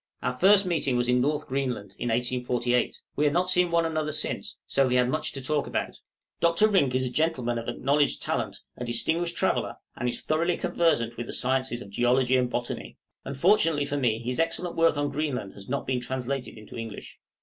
Our first meeting was in North Greenland, in 1848; we had not seen one another since, so we had much to talk about. Dr. Rink is a gentleman of acknowledged talent, a distinguished traveller, and is thoroughly conversant with the sciences of geology and botany. {FREDERICKSHAAB, DAVIS' STRAITS.} Unfortunately for me his excellent work on Greenland has not been translated into English.